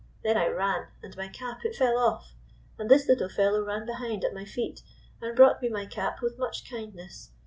Then I ran, and my cap it fell off, and this little fellow ran behind at my feet and brought me my cap with much kind ness.